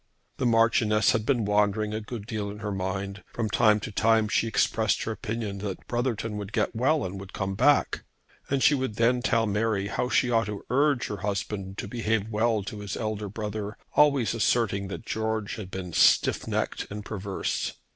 The Marchioness had been wandering a good deal in her mind. From time to time she expressed her opinion that Brotherton would get well and would come back; and she would then tell Mary how she ought to urge her husband to behave well to his elder brother, always asserting that George had been stiff necked and perverse.